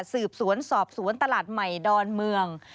สืบสวนสอบสวนตลาดใหม่ดอนเมือง